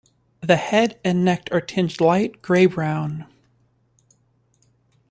The head and neck are tinged light grey-brown.